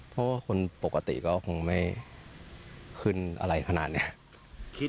เพราะว่าคนปกติก็คงไม่ขึ้นอะไรขนาดนี้